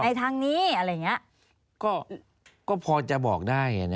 อย่างนี้อะไรแบบนี้